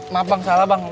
maaf bang salah bang